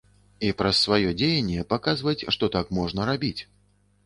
І праз сваё дзеянне паказваць, што так можна рабіць.